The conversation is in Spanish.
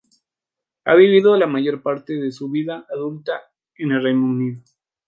Ha vivido la mayor parte de su vida adulta en el Reino Unido.